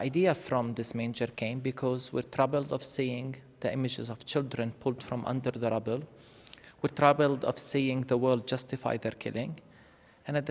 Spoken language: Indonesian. kami berpengaruh melihat anak anak yang dikelilingi oleh kerabat